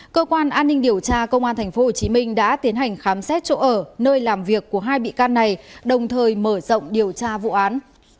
cơ quan an ninh điều tra công an tp hcm đã tiến hành khám xét chỗ ở nơi làm việc của hai bị can này đồng thời mở rộng điều tra vụ án